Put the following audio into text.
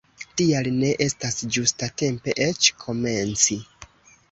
Tial ne estas ĝustatempe eĉ komenci!